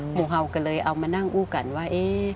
ผมก็เลยเอามานั่งอู้กันว่า